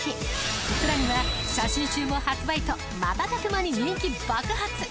さらには写真集も発売と瞬く間に人気爆発。